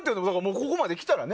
ここまできたらね。